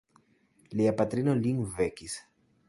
Lia patrino lin vekis.